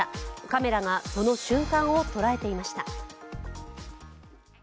カメラがその瞬間を捉えていました。